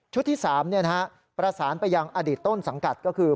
ชุดที่สามเนี่ยฮะประสานไปยังอดีตต้นสังกัดก็คือ